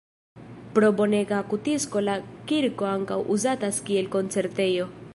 Pro bonega akustiko la kirko ankaŭ uzatas kiel koncertejo.